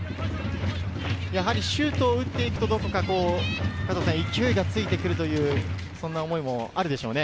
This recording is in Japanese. シュートを打って行くと、どこか勢いがついてくる、そんな思いもあるでしょうね。